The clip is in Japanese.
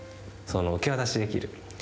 受け渡しできる。